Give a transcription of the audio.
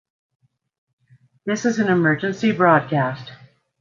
This is an emergency broadcast.